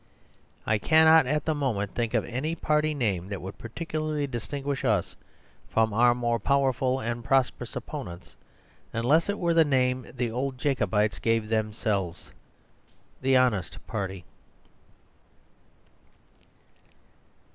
I cannot at the moment think of any party name that would particularly distinguish us from our more powerful and prosperous opponents, unless it were the name the old Jacobites gave themselves; the Honest Party.